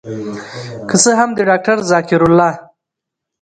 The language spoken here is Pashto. که څه هم د داکتر ذکر الله